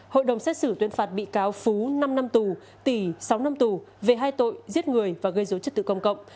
hội đồng xét xử tuyên phạt bị cáo phú năm năm tù tỷ sáu năm tù về hai tội giết người và gây dối trật tự công cộng